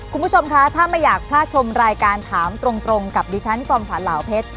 คุณผู้ชมคะถ้าไม่อยากพลาดชมรายการถามตรงกับดิฉันจอมขวัญเหล่าเพชร